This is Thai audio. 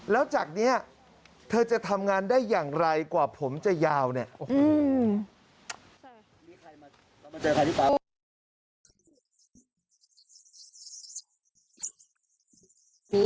แล้วจากนี้เธอจะทำงานได้อย่างไรกว่าผมจะยาวเนี่ย